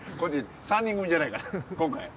３人組じゃないから今回。